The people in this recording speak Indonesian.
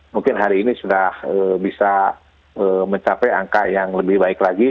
mungkin hari ini sudah bisa mencapai angka yang lebih baik lagi